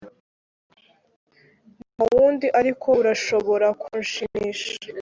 Ntawundi ariko urashobora kunshimisha